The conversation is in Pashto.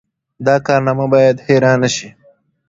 دا کارنامه باید هېره نه سي.